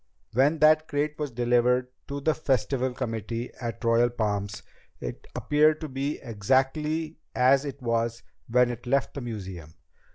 "When that crate was delivered to the Festival committee at the Royal Palms, it appeared to be exactly as it was when it left the museum.